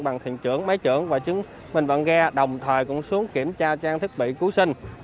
bằng thiền trưởng máy trưởng và chứng minh vận ghe đồng thời cũng xuống kiểm tra trang thiết bị cứu sinh